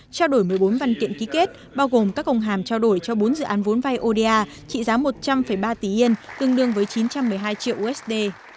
trao đổi một mươi bốn văn kiện ký kết bao gồm các công hàm trao đổi cho bốn dự án vốn vai oda trị giá một trăm linh ba tỷ yên tương đương với chín trăm một mươi hai triệu usd